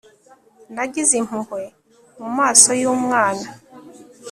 nagize impuhwe mumaso yumwana